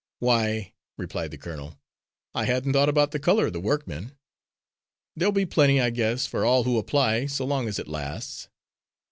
"Why," replied the colonel, "I hadn't thought about the colour of the workmen. There'll be plenty, I guess, for all who apply, so long as it lasts."